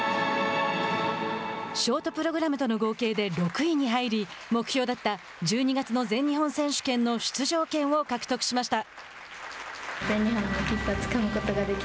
ショートプログラムとの合計で６位に入り目標だった１２月の全日本選手権の出場権を獲得しました。